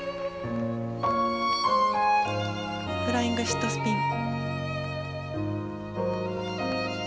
フライングシットスピン。